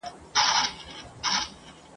پر ښکاري وه ډېر ه ګرانه نازولې !.